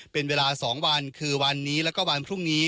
เป็นเวลา๒วันคือวันนี้แล้วก็วันพรุ่งนี้